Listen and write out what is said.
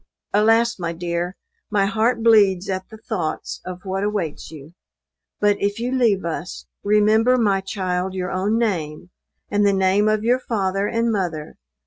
Alas, my dear! my heart bleeds at the thoughts of what awaits you; but, if you leave us, remember my child your own name, and the name of your father and mother.